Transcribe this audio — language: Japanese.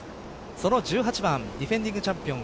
その１８番ディフェンディングチャンピオン